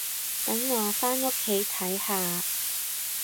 等我返屋企睇下